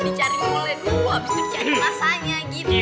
dicari mulai dulu abis itu cari rasanya gitu